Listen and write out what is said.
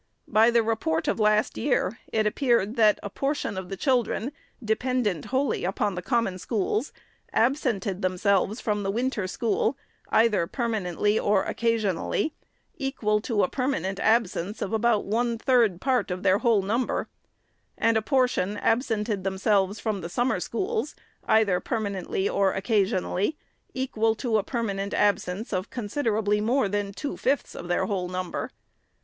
By the Report of last year, it appeared that " a portion of the children, dependent wholly upon the common schools, absented themselves from the winter school, either per manently or occasionally, equal to a permanent absence of about one third part of their whole number ; and a portion absented themselves from the summer schools, either permanently or occasionally, equal to a permanent absence of considerably more than two fifths of their whole number."